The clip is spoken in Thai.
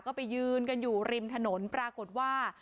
ก็ไปยืนกันอยู่ริมถนนปรากฏว่า